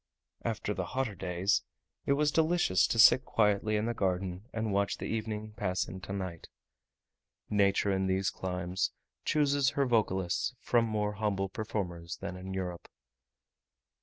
After the hotter days, it was delicious to sit quietly in the garden and watch the evening pass into night. Nature, in these climes, chooses her vocalists from more humble performers than in Europe.